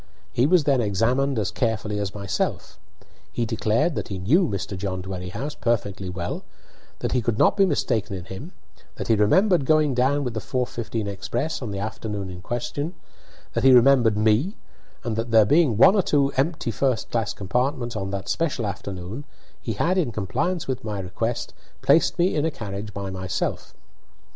He was then examined as carefully as myself. He declared that he knew Mr. John Dwerrihouse perfectly well, that he could not be mistaken in him, that he remembered going down with the 4:15 express on the afternoon in question, that he remembered me, and that, there being one or two empty first class compartments on that especial afternoon, he had, in compliance with my request, placed me in a carriage by myself.